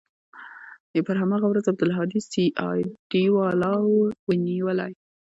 پر هماغه ورځ عبدالهادي سي آى ډي والاو نيولى.